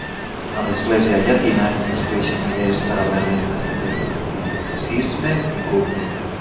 A l'Església Llatina, existeixen idees paral·leles d'asceticisme i culte.